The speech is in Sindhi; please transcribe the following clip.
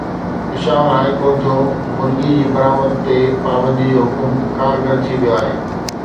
پشاور هاءِ ڪورٽ جو مرغي جي برآمد تي پابندي جو حڪم ڪارگر ٿي ويو آهي